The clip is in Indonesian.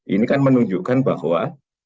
ini kan menunjukkan bahwa